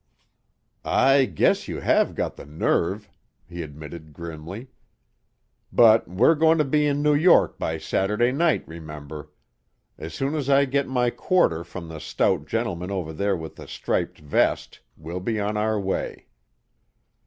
"I guess you have got the nerve," he admitted grimly. "But we're going to be in New York by Saturday night, remember. As soon as I get my quarter from the stout gentleman over there with the striped vest, we'll be on our way."